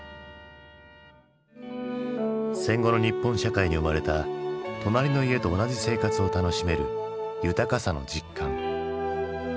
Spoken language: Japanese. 戦後の日本社会に生まれた隣の家と同じ生活を楽しめる豊かさの実感。